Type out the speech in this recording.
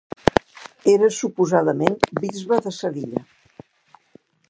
Era suposadament bisbe de Sevilla.